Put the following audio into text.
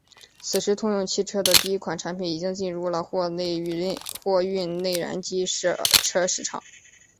此时通用汽车的第一款产品已经进入了货运内燃机车市场。